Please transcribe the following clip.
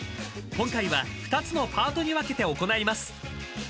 ［今回は２つのパートに分けて行います］